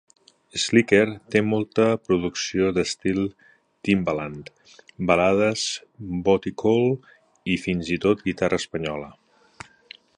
Slicker té molta producció d'estil Timbaland, balades booty-call i fins i tot guitarra espanyola.